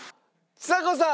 ちさ子さん！